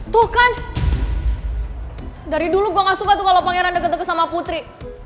tuh kan dari dulu gue gak suka tuh kalo pangeran deget deget sama putri